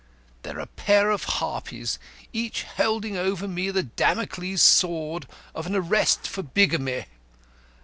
"They're a pair of harpies, each holding over me the Damocles sword of an arrest for bigamy.